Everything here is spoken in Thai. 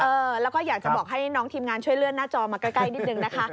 เออแล้วก็อยากจะบอกให้น้องทีมงานช่วยเลื่อนหน้าจอมาใกล้นิดนึงนะคะ